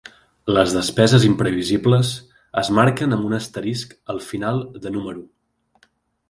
Les despeses imprevisibles es marquen amb un asterisc al final de número.